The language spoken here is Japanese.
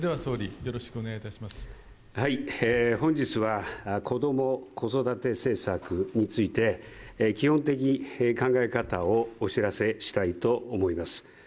本日は子ども・子育て政策について基本的な考え方をお知らせしたいと思います。